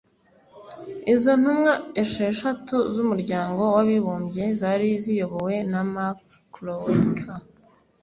Izo ntumwa esheshatu z’Umuryango w’Abibumbye zari ziyobowe na Mark Kroeker